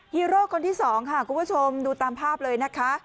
ฮีโร่คนที่สองค่ะคุณผู้ชมดูตามภาพเลยนะคะ